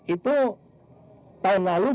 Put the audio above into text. itu tahun tahun lalu